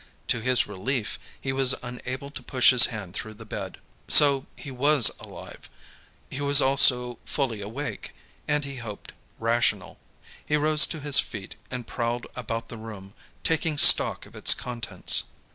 To his relief, he was unable to push his hand through the bed. So he was alive; he was also fully awake, and, he hoped, rational. He rose to his feet and prowled about the room, taking stock of its contents.